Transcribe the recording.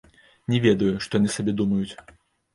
Не ведаю, што яны сабе думаюць.